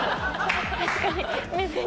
確かに。